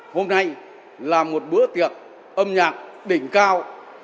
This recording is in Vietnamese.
hôm nay là một bữa tiệc âm nhạc đỉnh cao